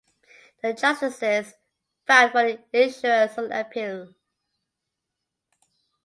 The justices found for the insurers on appeal.